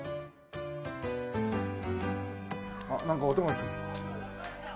あっなんか音が。